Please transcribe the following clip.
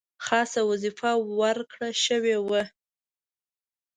خاصه وظیفه ورکړه شوې وه.